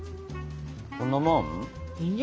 こんなもん？